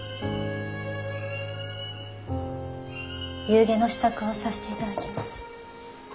夕餉の支度をさせていただきます。